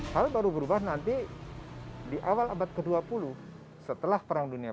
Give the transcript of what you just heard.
lalu baru berubah nanti di awal abad ke dua puluh setelah perang dunia